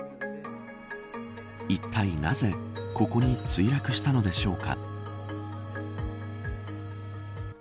いったいなぜここに墜落したのでしょうか。